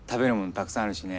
たくさんあるしね。